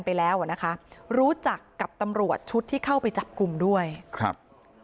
ไปแล้วอ่ะนะคะรู้จักกับตำรวจชุดที่เข้าไปจับกลุ่มด้วยครับ